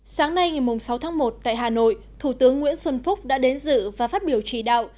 sáng nay ngày sáu tháng một tại hà nội thủ tướng nguyễn xuân phúc đã đến dự và phát biểu chỉ đạo